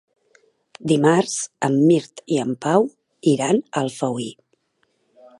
Dimarts en Mirt i en Pau iran a Alfauir.